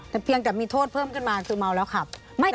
แต่เพียงแต่มีโทษเพิ่มขึ้นมาคือเมาแล้วขับ